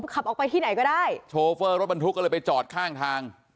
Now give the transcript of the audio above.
ขับออกไปที่ไหนก็ได้โชเฟอร์รถบรรทุกก็เลยไปจอดข้างทาง